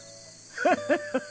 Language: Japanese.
ハハハハ。